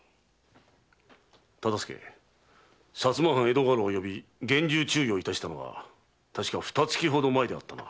忠相薩摩藩江戸家老を呼び厳重注意をいたしたのは確かふた月ほど前であったな。